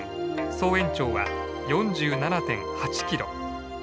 総延長は４７．８キロ。